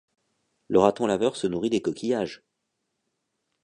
Le raton laveur se nourrit des coquillages.